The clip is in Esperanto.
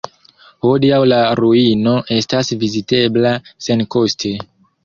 Hodiaŭ la ruino estas vizitebla senkoste.